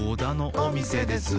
「おみせです」